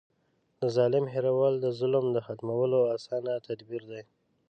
د ظالم هېرول د ظلم د ختمولو اسانه تدبير دی.